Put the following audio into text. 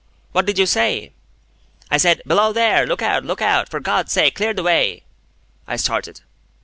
"What did you say?" "I said, 'Below there! Look out! Look out! For God's sake, clear the way!'" I started.